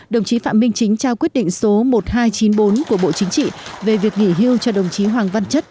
đồng chí phạm minh chính trao quyết định số một nghìn hai trăm chín mươi bốn của bộ chính trị về việc nghỉ hưu cho đồng chí hoàng văn chất